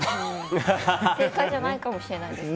正解じゃないかもしれないですね。